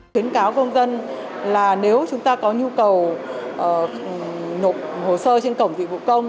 khuyến cáo công dân là nếu chúng ta có nhu cầu nộp hồ sơ trên cổng dịch vụ công